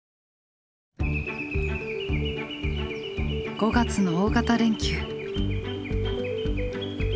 ５月の大型連休。